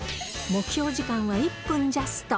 目標時間は１分ジャスト。